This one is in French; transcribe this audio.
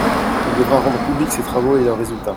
Il devra rendre publics ses travaux et leurs résultats.